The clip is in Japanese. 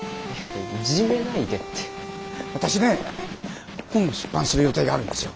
私ね本を出版する予定があるんですよ。